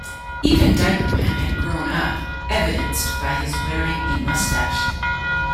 Even Diaper Man had grown up, evidenced by his wearing a mustache.